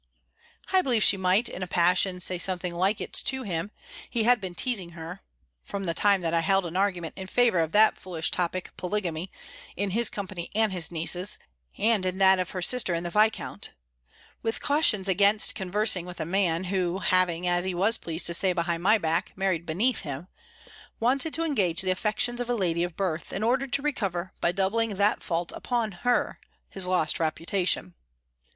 "I believe she might, in a passion, say something like it to him: he had been teazing her (from the time that I held an argument in favour of that foolish topic polygamy, in his company and his niece's, and in that of her sister and the Viscount,) with cautions against conversing with a man, who, having, as he was pleased to say behind my back, married beneath him, wanted to engage the affections of a lady of birth, in order to recover, by doubling that fault upon her, his lost reputation.